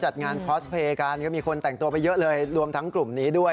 จัดงานคอสเพลย์กันก็มีคนแต่งตัวไปเยอะเลยรวมทั้งกลุ่มนี้ด้วย